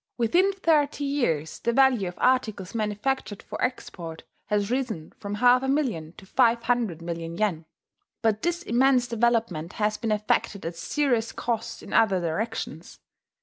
Within thirty years the value of articles manufactured for export has risen from half a million to five hundred million yen. But this immense development has been effected at serious cost in other directions.